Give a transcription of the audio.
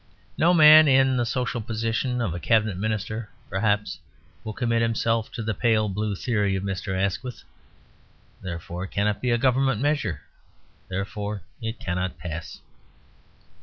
No man in the social position of a Cabinet Minister, perhaps, will commit himself to the pale blue theory of Mr. Asquith; therefore it cannot be a Government measure, therefore it cannot pass.